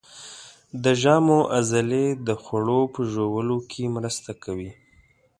د ژامو عضلې د خوړو په ژوولو کې مرسته کوي.